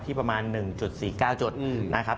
ประมาณ๑๔๙จุดนะครับ